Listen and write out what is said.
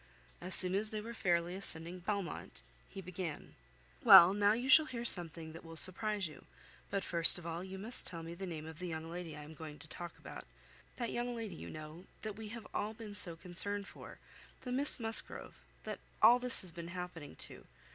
As soon as they were fairly ascending Belmont, he began— "Well, now you shall hear something that will surprise you. But first of all, you must tell me the name of the young lady I am going to talk about. That young lady, you know, that we have all been so concerned for. The Miss Musgrove, that all this has been happening to.